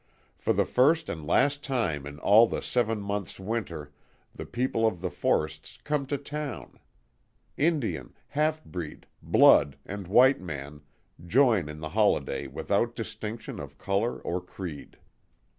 For the first and last time in all the seven months' winter the people of the forests "come to town." Indian, halfbreed, "blood," and white man, join in the holiday without distinction of colour or creed.